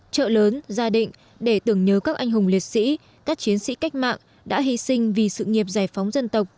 trợ lớn gia định để tưởng nhớ các anh hùng liệt sĩ các chiến sĩ cách mạng đã hy sinh vì sự nghiệp giải phóng dân tộc